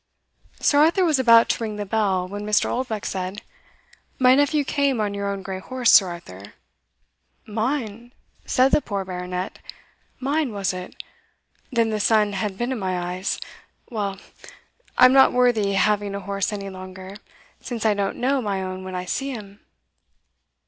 Sir Arthur was about to ring the bell, when Mr. Oldbuck said, "My nephew came on your own grey horse, Sir Arthur." "Mine!" said the poor Baronet; "mine was it? then the sun had been in my eyes. Well, I'm not worthy having a horse any longer, since I don't know my own when I see him."